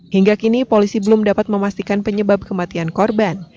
hingga kini polisi belum dapat memastikan penyebab kematian korban